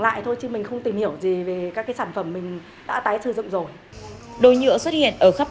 lại thôi chứ mình không tìm hiểu gì về các cái sản phẩm mình đã tái sử dụng rồi đồ nhựa xuất hiện ở khắp